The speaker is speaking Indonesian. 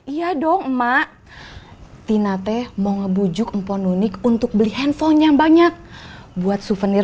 iya dong emak tina teh mau ngebujuk empon unik untuk beli handphone yang banyak buat souvenir